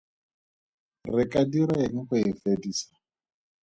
Re ka dira eng go e fedisa?